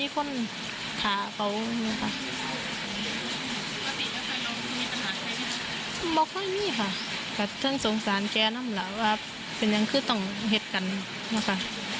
ข้าสงสารแกนะหมดแล้วแต่ยังคือต้องเฮ็ดกันนะคะ